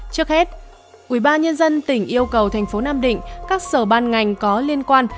trước hết ubnd tỉnh yêu cầu tp nam định các sở ban ngành có liên quan